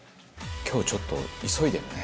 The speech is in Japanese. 今日ちょっと急いでるね。